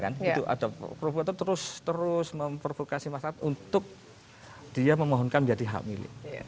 ada provokator terus terus memprovokasi masyarakat untuk dia memohonkan menjadi hamil